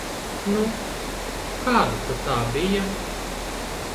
Nu, kāda tad tā bija?